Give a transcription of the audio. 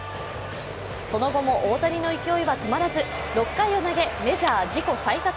その後も大谷の勢いは止まらず６回を投げメジャー自己最多